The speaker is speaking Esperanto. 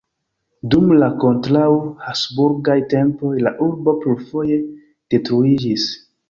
Dum la kontraŭ-Habsburgaj tempoj la urbo plurfoje detruiĝis.